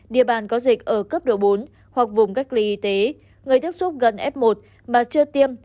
địa bàn có dịch ở cấp độ bốn hoặc vùng cách ly y tế người tiếp xúc gần f một mà chưa tiêm